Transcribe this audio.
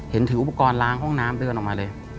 ถืออุปกรณ์ล้างห้องน้ำเดินออกมาเลย